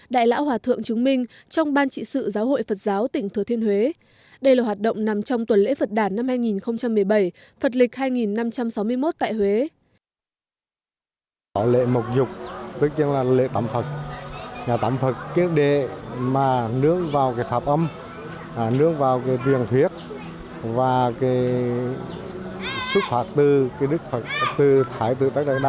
đại lão hòa thượng chứng minh trong ban trị sự giáo hội phật giáo tỉnh thừa thiên huế